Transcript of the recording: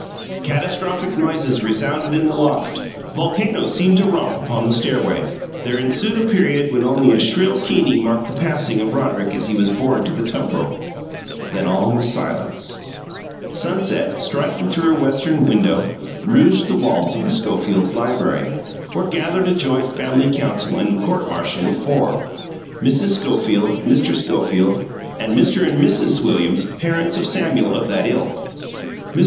Catastrophic noises resounded in the loft; volcanoes seemed to romp upon the stairway. There ensued a period when only a shrill keening marked the passing of Roderick as he was borne to the tumbril. Then all was silence. ... Sunset, striking through a western window, rouged the walls of the Schofields' library, where gathered a joint family council and court martial of four Mrs. Schofield, Mr. Schofield, and Mr. and Mrs. Williams, parents of Samuel of that ilk. Mr.